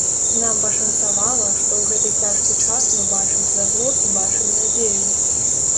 Нам пашанцавала, што ў гэты цяжкі час мы бачым святло і бачым надзею.